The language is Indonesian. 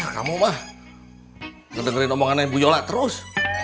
kamu mah dengerin omongannya bu yola terus